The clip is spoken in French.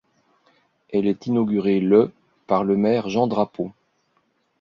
Elle est inaugurée le par le maire Jean Drapeau.